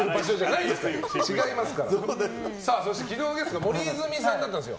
そして、昨日のゲストが森泉さんだったんです。